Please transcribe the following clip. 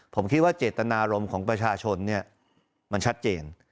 ผมคิดว่าเจตนารมณ์ของประชาชนมันชัดเจน